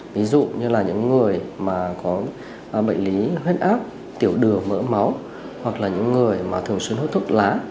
ví dụ như là những người mà có bệnh lý huyết áp tiểu đường mỡ máu hoặc là những người mà thường xuyên hút thuốc lá